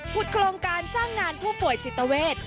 โครงการจ้างงานผู้ป่วยจิตเวท